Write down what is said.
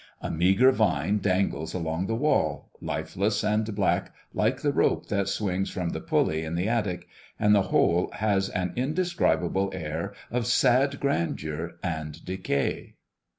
A meagre vine dangles along the wall, lifeless and black like the rope that swings from the pulley in the attic; and the whole has an indescribable air of sad grandeur and decay.